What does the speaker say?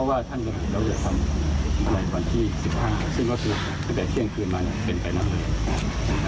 การทำให้มันตามกฎหมายจะพูดมาก